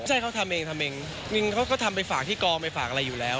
ใช่เขาทำเองทำเองจริงเขาก็ทำไปฝากที่กองไปฝากอะไรอยู่แล้ว